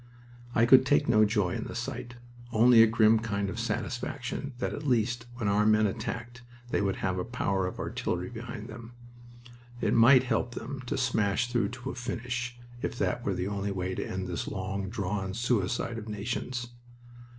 I could take no joy in the sight, only a grim kind of satisfaction that at least when our men attacked they would have a power of artillery behind them. It might help them to smash through to a finish, if that were the only way to end this long drawn suicide of nations.